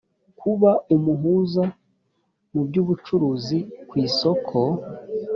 kuba umuhuza mu by ubucuruzi ku isoko